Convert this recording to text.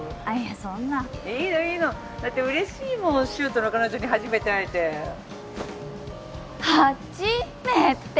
そんないいのいいのだって嬉しいもん柊人の彼女に初めて会えては・じ・め・て！？